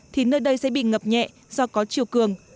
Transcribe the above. thì nơi đây sẽ bị ngập nhẹ do có chiều cường